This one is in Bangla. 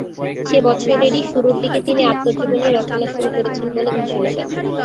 সে বছরেরই শুরুর দিকে তিনি আত্মজীবনী রচনা শুরু করেছেন বলে ঘোষণা দেন।